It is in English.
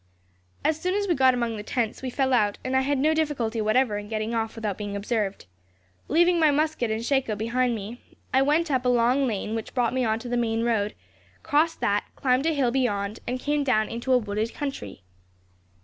"As soon as we got among the tents, we fell out, and I had no difficulty whatever in getting off without being observed. Leaving my musket and shako behind me, I went up a long lane which brought me on to the main road, crossed that, climbed a hill beyond, and came down into a wooded country.